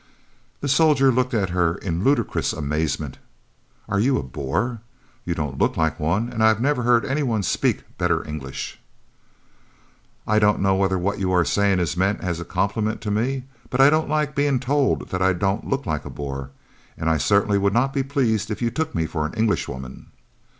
The soldier looked at her in ludicrous amazement. "Are you a Boer? You don't look like one, and I never heard any one speak better English." "I don't know whether what you are saying is meant as a compliment to me, but I don't like being told that I don't look like a Boer, and I certainly would not be pleased if you took me for an Englishwoman."